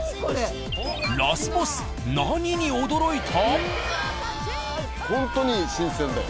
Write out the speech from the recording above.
ラスボス何に驚いた？